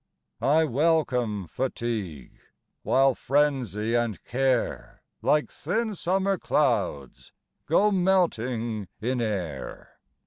I welcome fatigue While frenzy and care Like thin summer clouds Go melting in air.